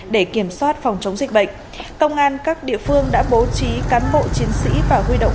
để kiểm soát phòng chống dịch bệnh công an các địa phương đã bố trí cán bộ chiến sĩ và huy động